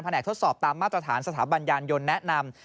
แหกทดสอบตามมาตรฐานสถาบันยานยนต์แนะนำ